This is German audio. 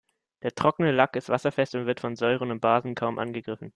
Der trockene Lack ist wasserfest und wird von Säuren und Basen kaum angegriffen.